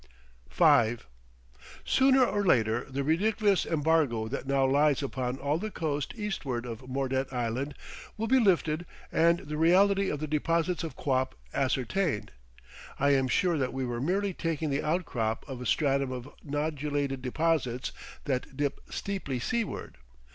V Sooner or later the ridiculous embargo that now lies upon all the coast eastward of Mordet Island will be lifted and the reality of the deposits of quap ascertained. I am sure that we were merely taking the outcrop of a stratum of nodulated deposits that dip steeply seaward.